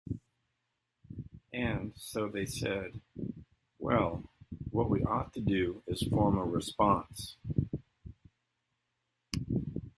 And, so, they said, 'Well, what we ought to do is form a response.